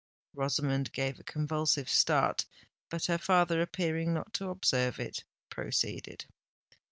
Rosamond gave a convulsive start; but her father, appearing not to observe it, proceeded.